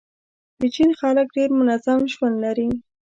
د چین خلک ډېر منظم ژوند لري.